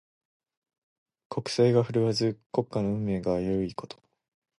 国勢が振るわず、国家の運命が危ういこと。